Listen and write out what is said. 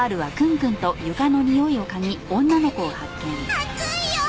熱いよー！